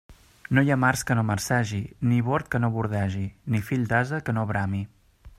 No hi ha març que no marcegi, ni bord que no bordegi, ni fill d'ase que no brami.